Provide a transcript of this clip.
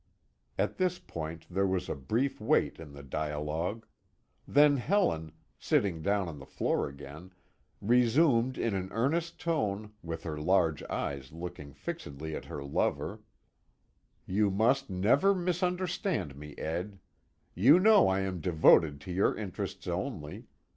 At this point there was a brief wait in the dialogue. Then Helen, sitting down on the floor again, resumed in an earnest tone, with her large eyes looking fixedly at her lover: "You must never misunderstand me, Ed. You know I am devoted to your interests only.